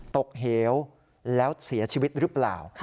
เหวแล้วเสียชีวิตหรือเปล่า